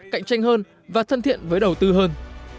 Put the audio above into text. cạnh tranh hơn và thân thiện với đầu tư hơn